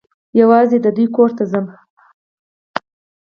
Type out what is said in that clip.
یوازي د دوی کور ته ځم .